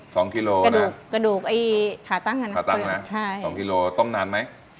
กิโลกระดูกกระดูกไอ้ขาตั้งอ่ะนะขาตั้งนะใช่สองกิโลต้มนานไหม